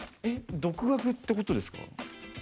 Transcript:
独学ってことですか？